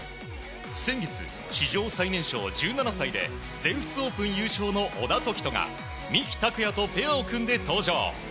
先月、史上最年少１７歳で全仏オープン優勝の小田凱人が三木拓也とペアを組んで登場。